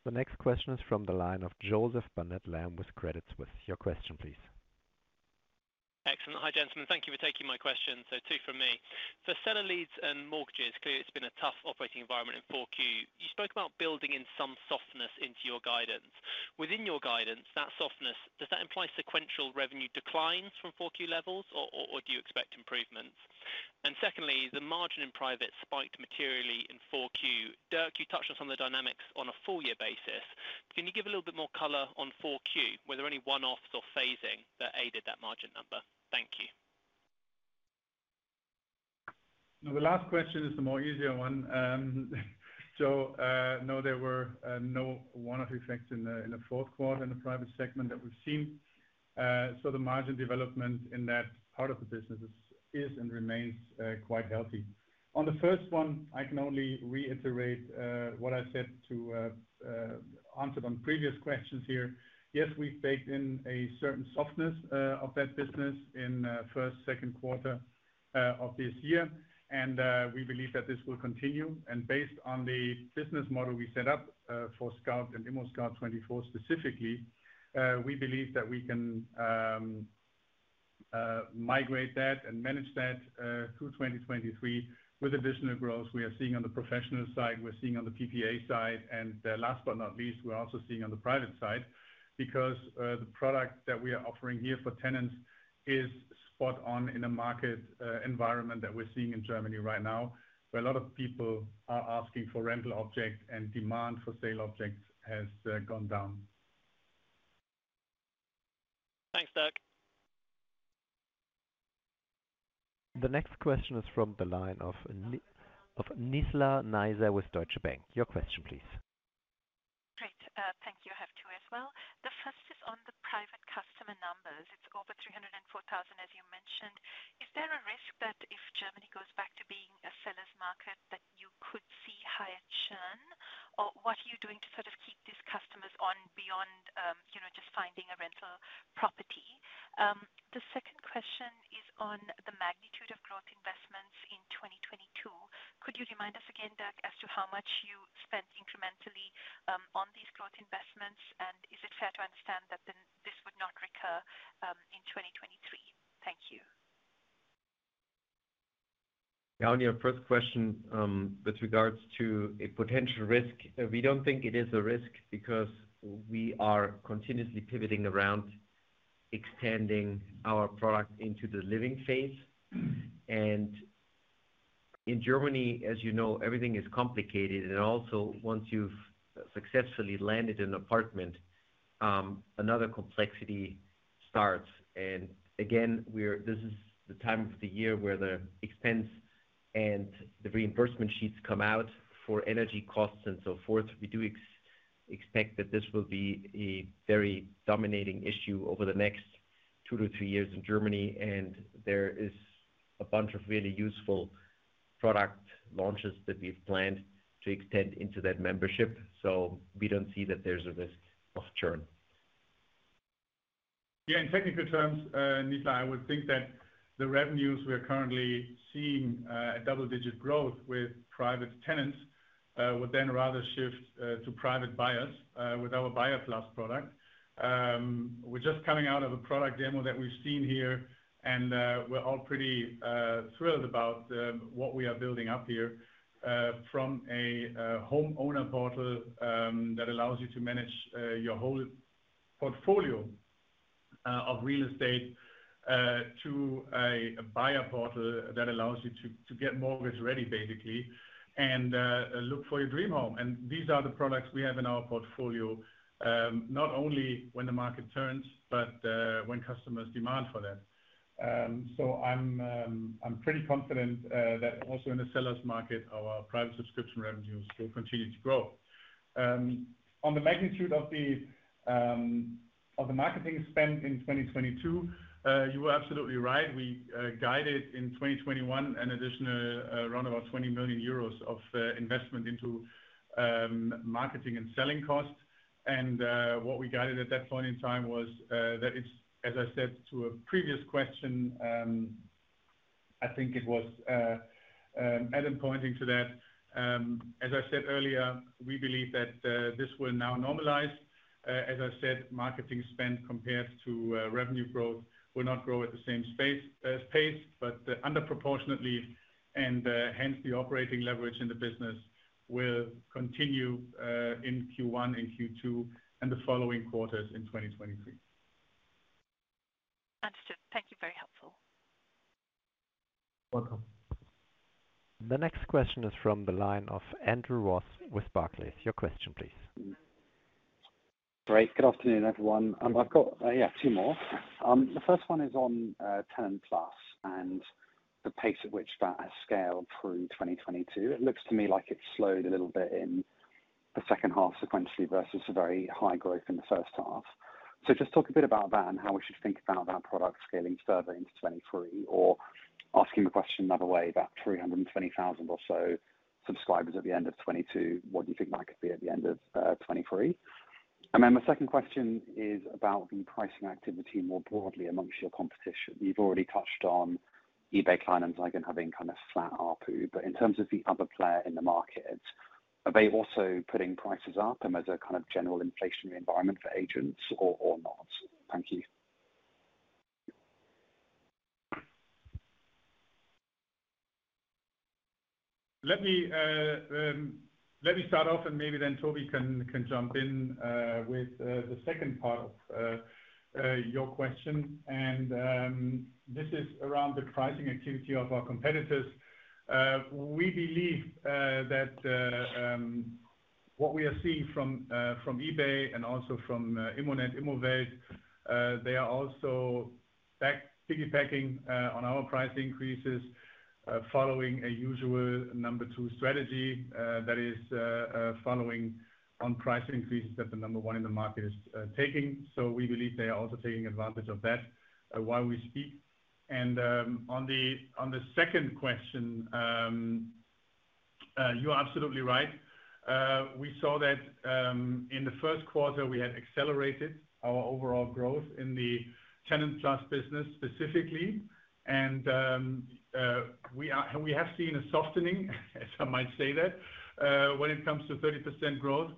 The next question is from the line of Joseph Bennett-Latham with Credit Suisse. With your question please. Excellent. Hi, gentlemen. Thank you for taking my question. Two from me. For seller leads and mortgages, clearly it's been a tough operating environment in 4Q. You spoke about building in some softness into your guidance. Within your guidance, that softness, does that imply sequential revenue declines from 4Q levels or do you expect improvements? Secondly, the margin in private spiked materially in 4Q. Dirk, you touched on some of the dynamics on a full year basis. Can you give a little bit more color on 4Q? Were there any one-offs or phasing that aided that margin number? Thank you. No, the last question is the more easier one. No, there were no one-off effects in the fourth quarter in the private segment that we've seen. So the margin development in that part of the business is and remains quite healthy. On the first one, I can only reiterate what I said to answered on previous questions here. Yes, we've baked in a certain softness of that business in first, second quarter of this year. We believe that this will continue. Based on the business model we set up for Scout and ImmoScout24 specifically, we believe that we can. Migrate that and manage that through 2023. With additional growth we are seeing on the professional side, we're seeing on the PPA side. Last but not least, we're also seeing on the private side. The product that we are offering here for tenants is spot on in a market environment that we're seeing in Germany right now. Where a lot of people are asking for rental object and demand for sale objects has gone down. Thanks, Dirk. The next question is from the line of Nizla Naizar with Deutsche Bank. Your question please. Great. Thank you. I have two as well. The first is on the private customer numbers. It's over 304,000, as you mentioned. Is there a risk that if Germany goes back to being a seller's market, that you could see higher churn? What are you doing to sort of keep these customers on beyond, you know, just finding a rental property? The second question is on the magnitude of growth investments in 2022. Could you remind us again, Dirk, as to how much you spent incrementally on these growth investments? Is it fair to understand that then this would not recur in 2023? Thank you. On your first question, with regards to a potential risk, we don't think it is a risk because we are continuously pivoting around extending our product into the living phase. In Germany, as you know, everything is complicated. Also, once you've successfully landed an apartment, another complexity starts. Again, this is the time of the year where the expense and the reimbursement sheets come out for energy costs and so forth. We do expect that this will be a very dominating issue over the next 2-3 years in Germany. There is a bunch of really useful product launches that we've planned to extend into that membership. We don't see that there's a risk of churn. Yeah, in technical terms, Nizla, I would think that the revenues we are currently seeing, a double digit growth with private tenants, would then rather shift to private buyers with our buyer class product. We're just coming out of a product demo that we've seen here, and we're all pretty thrilled about what we are building up here. From a home owner portal that allows you to manage your whole portfolio of real estate to a buyer portal that allows you to get mortgage ready, basically, and look for your dream home. These are the products we have in our portfolio. Not only when the market turns but when customers demand for them. I'm pretty confident that also in the seller's market, our private subscription revenues will continue to grow. On the magnitude of the marketing spend in 2022, you are absolutely right. We guided in 2021 an additional around about 20 million euros of investment into marketing and selling costs. What we guided at that point in time was that it's, as I said to a previous question, I think it was Adam pointing to that. As I said earlier, we believe that this will now normalize. as I said, marketing spend compared to revenue growth will not grow at the same pace, but under proportionately and hence, the operating leverage in the business will continue in Q1 and Q2 and the following quarters in 2023. Understood. Thank you. Very helpful. You're welcome. The next question is from the line of Andrew Ross with Barclays. Your question please. Great. Good afternoon, everyone. I've got two more. The first one is on MieterPlus and the pace at which that has scaled through 2022. It looks to me like it slowed a little bit in the second half sequentially versus a very high growth in the first half. Just talk a bit about that and how we should think about that product scaling further into 2023, or asking the question another way, about 320,000 or so subscribers at the end of 2022. What do you think that could be at the end of 2023? My second question is about the pricing activity more broadly amongst your competition. You've already touched on eBay Kleinanzeigen having kind of flat ARPU. In terms of the other player in the market, are they also putting prices up and as a kind of general inflationary environment for agents or not? Thank you. Let me start off and maybe then Toby can jump in with the second part of your question. This is around the pricing activity of our competitors. We believe that what we are seeing from eBay and also from Immonet, Immowelt, they are also back piggybacking on our price increases following a usual number two strategy. That is following on price increases that the number one in the market is taking. We believe they are also taking advantage of that while we speak. On the second question, you are absolutely right. We saw that in the first quarter, we had accelerated our overall growth in the Tenant Plus business specifically. We have seen a softening some might say that when it comes to 30% growth.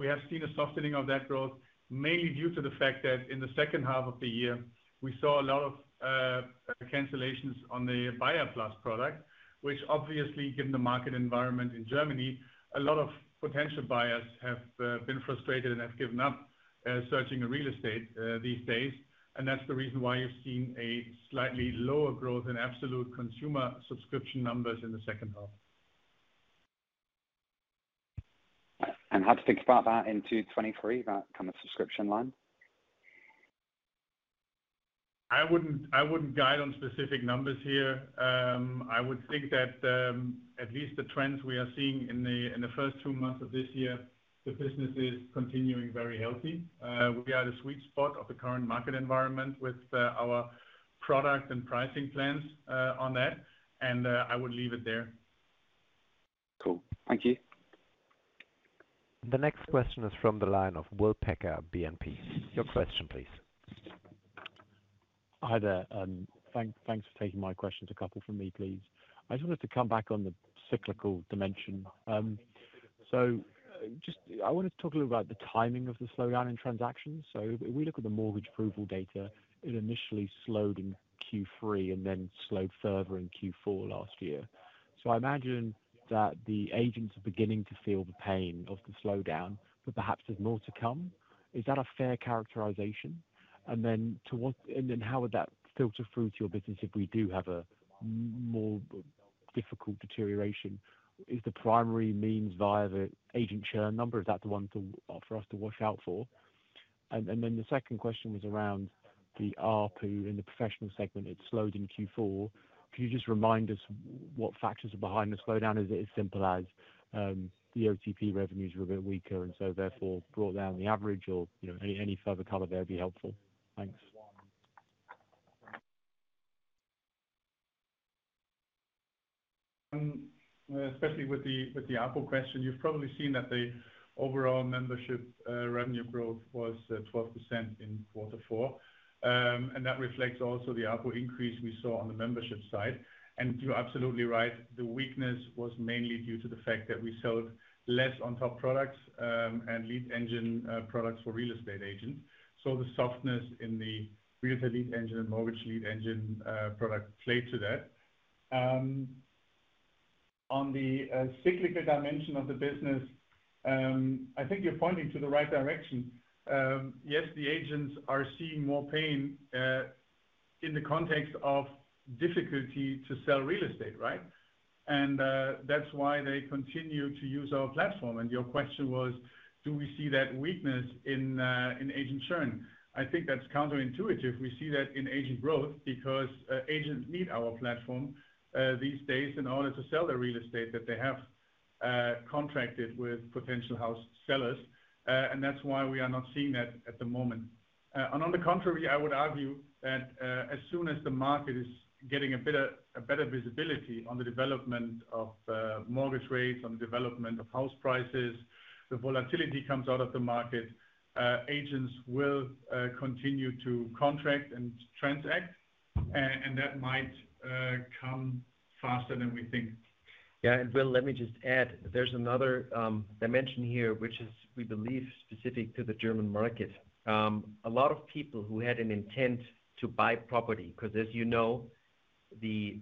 We have seen a softening of that growth, mainly due to the fact that in the second half of the year, we saw a lot of cancellations on the Buyer Plus product, which obviously given the market environment in Germany, a lot of potential buyers have been frustrated and have given up searching a real estate these days. That's the reason why you've seen a slightly lower growth in absolute consumer subscription numbers in the second half. How to think about that into 2023, that kind of subscription line. I wouldn't guide on specific numbers here. I would think that, at least the trends we are seeing in the first two months of this year, the business is continuing very healthy. We are at a sweet spot of the current market environment with, our product and pricing plans, on that, and, I would leave it there. Cool. Thank you. The next question is from the line of William Packer, BNP Paribas. Your question, please. Hi there. Thanks for taking my questions. A couple from me, please. I just wanted to come back on the cyclical dimension. I want to talk a little about the timing of the slowdown in transactions. If we look at the mortgage approval data, it initially slowed in Q3 and then slowed further in Q4 last year. I imagine that the agents are beginning to feel the pain of the slowdown, but perhaps there's more to come. Is that a fair characterization? How would that filter through to your business if we do have a more difficult deterioration? Is the primary means via the agent share number? Is that the one for us to watch out for? The second question was around the ARPU in the professional segment. It slowed in Q4. Could you just remind us what factors are behind the slowdown? Is it as simple as the OTP revenues were a bit weaker and so therefore brought down the average or, you know, any further color there would be helpful? Thanks. Especially with the, with the ARPU question, you've probably seen that the overall membership revenue growth was 12% in Q4. That reflects also the ARPU increase we saw on the membership side. You're absolutely right, the weakness was mainly due to the fact that we sold less on top products and lead engine products for real estate agents. The softness in the realtor lead engine and mortgage lead engine product played to that. On the cyclical dimension of the business, I think you're pointing to the right direction. Yes, the agents are seeing more pain in the context of difficulty to sell real estate, right? That's why they continue to use our platform. Your question was, do we see that weakness in agent churn? I think that's counterintuitive. We see that in agent growth because agents need our platform these days in order to sell their real estate that they have contracted with potential house sellers. That's why we are not seeing that at the moment. On the contrary, I would argue that as soon as the market is getting a better visibility on the development of mortgage rates, on the development of house prices, the volatility comes out of the market, agents will continue to contract and transact. That might come faster than we think. Yeah. Will, let me just add, there's another dimension here, which is, we believe, specific to the German market. A lot of people who had an intent to buy property, 'cause as you know, the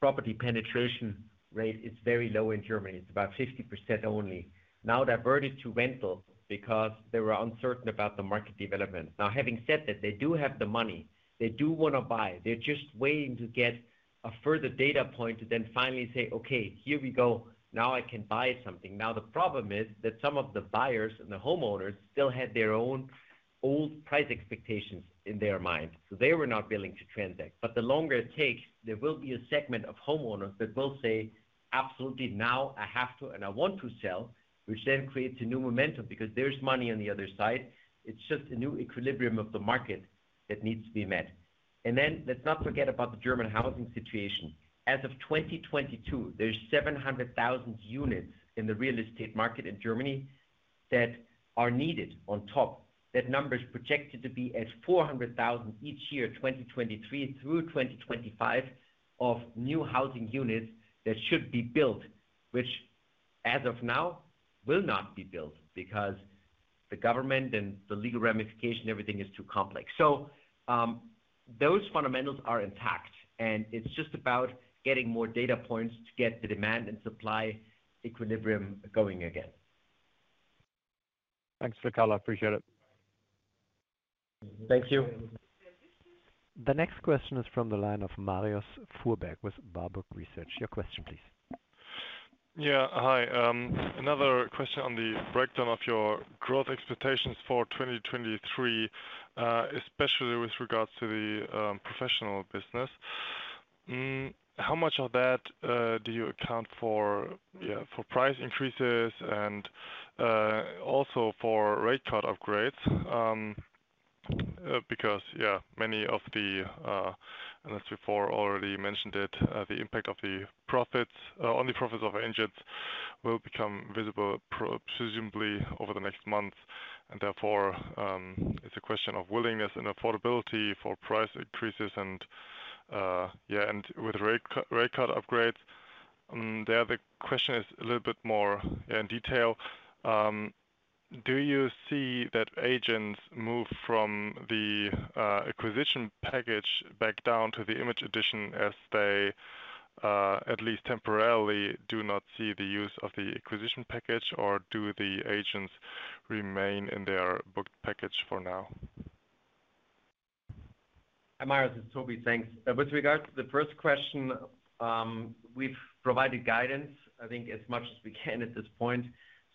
property penetration rate is very low in Germany. It's about 50% only. Now diverted to rental because they were uncertain about the market development. Now, having said that, they do have the money, they do wanna buy. They're just waiting to get a further data point to then finally say, "Okay, here we go. Now I can buy something." Now, the problem is that some of the buyers and the homeowners still had their own old price expectations in their mind, so they were not willing to transact. The longer it takes, there will be a segment of homeowners that will say, "Absolutely, now I have to and I want to sell." Which creates a new momentum because there's money on the other side. It's just a new equilibrium of the market that needs to be met. Let's not forget about the German housing situation. As of 2022, there's 700,000 units in the real estate market in Germany that are needed on top. That number is projected to be at 400,000 each year, 2023-2025 of new housing units that should be built, which as of now will not be built because the government and the legal ramification, everything is too complex. Those fundamentals are intact, and it's just about getting more data points to get the demand and supply equilibrium going again. Thanks for the color. Appreciate it. Thank you. The next question is from the line of Marius Fuhrberg with Warburg Research. Your question please. Hi. Another question on the breakdown of your growth expectations for 2023, especially with regards to the professional business. How much of that do you account for for price increases and also for rate card upgrades? Because many of the analysts before already mentioned it, the impact of the profits on the profits of agents Will become visible presumably over the next month and therefore, it's a question of willingness and affordability for price increases and with rate card upgrades. The other question is a little bit more in detail. Do you see that agents move from the Acquisition Edition back down to the Image Edition as they at least temporarily do not see the use of the Acquisition Edition? Do the agents remain in their booked package for now? Hi, Marius, it's Toby. Thanks. With regards to the first question, we've provided guidance, I think as much as we can at this point.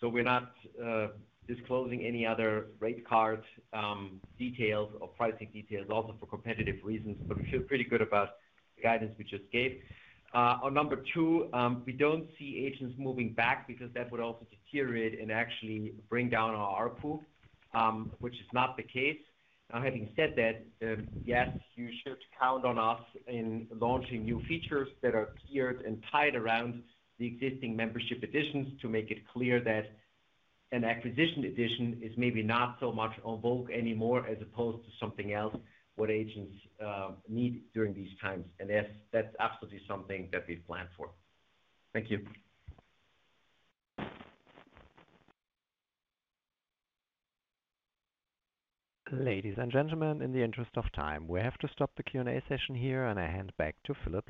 We're not disclosing any other rate card details or pricing details also for competitive reasons, but we feel pretty good about the guidance we just gave. On number two, we don't see agents moving back because that would also deteriorate and actually bring down our ARPU, which is not the case. Having said that, yes, you should count on us in launching new features that are tiered and tied around the existing membership editions to make it clear that an Acquisition Edition is maybe not so much en vogue anymore, as opposed to something else, what agents need during these times. Yes, that's absolutely something that we plan for. Thank you. Ladies and gentlemen, in the interest of time, we have to stop the Q&A session here. I hand back to Filip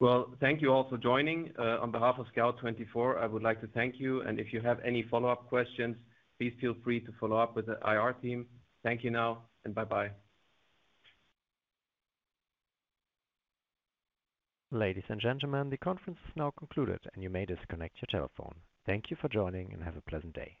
Lindvall. Thank you all for joining. On behalf of Scout24, I would like to thank you. If you have any follow-up questions, please feel free to follow up with the IR team. Thank you now. Bye-bye. Ladies and gentlemen, the conference is now concluded and you may disconnect your telephone. Thank you for joining and have a pleasant day.